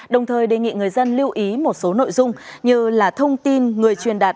đồng thời đề nghị người dân lưu ý một số nội dung như là thông tin người truyền đạt